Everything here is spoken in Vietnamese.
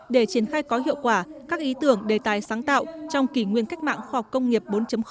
để triển khai có hiệu quả các ý tưởng đề tài sáng tạo trong kỷ nguyên cách mạng khoa học công nghiệp bốn